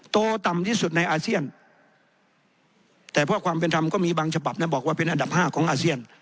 โตต่ำที่สุดในอาเซียนแต่เพราะความเป็นธรรมก็มีบางฉบับนะบอกว่าเป็นอันดับ๕ของอาเซียน